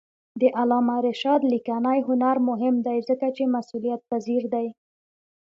د علامه رشاد لیکنی هنر مهم دی ځکه چې مسئولیتپذیر دی.